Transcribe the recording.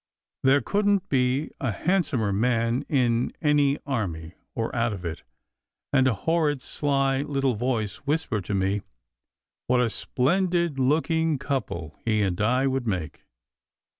There couldn t be a handsomer man in any army or out of it, and a horrid, sly little voice whispered to me: "What a splendid looking couple he and Di would make